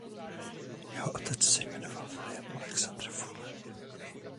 Jeho otec se jmenoval William Alexander Fuller.